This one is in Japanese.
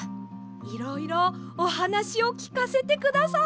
いろいろおはなしをきかせてください！